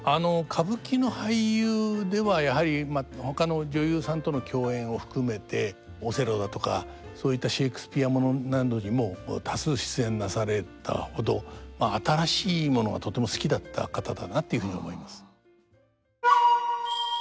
歌舞伎の俳優ではやはりほかの女優さんとの共演を含めて「オセロ」だとかそういったシェークスピア物などにも多数出演なされたほど新しいものがとても好きだった方だなというふうに思います。